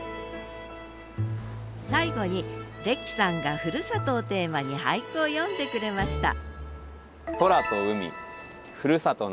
最後にレキさんがふるさとをテーマに俳句を詠んでくれました